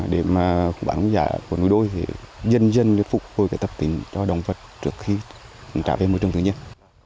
để mà khu bản hoang dã của núi đôi thì dân dân phục hồi tập tính cho động vật trước khi trả về môi trường tự nhiên